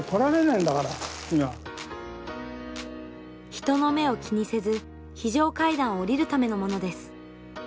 人の目を気にせず非常階段を下りるためのものです。